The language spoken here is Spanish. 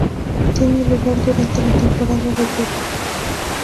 Tiene lugar durante la temporada de lluvias.